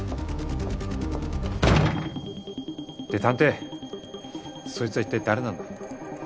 で探偵そいつは一体誰なんだ？